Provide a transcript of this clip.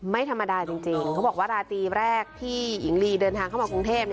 ไม่ธรรมดาจริงเขาบอกว่าราตรีแรกที่หญิงลีเดินทางเข้ามากรุงเทพ